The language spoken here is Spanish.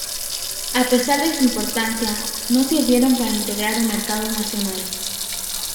A pesar de su importancia, no sirvieron para integrar un mercado nacional.